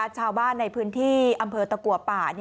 ชาวบ้านในพื้นที่อำเภอตะกัวป่า